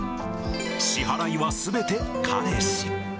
支払いはすべて彼氏。